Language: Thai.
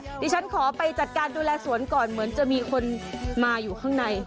เดี๋ยวฉันขอไปจัดการดูแลสวนก่อนเหมือนจะมีคนมาอยู่ข้างใน